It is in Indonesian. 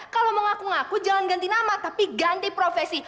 kalau mengaku ngaku jangan ganti nama tapi ganti profesi